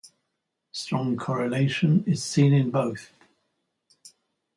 A strong correlation is seen in both.